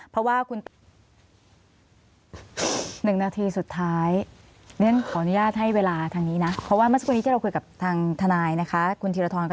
อย่าให้เชื่อรัฐศาสตร์แบบนี้อย่าให้เชื่อรัฐศาสตร์มากกว่านิติศาสตร์นะคะ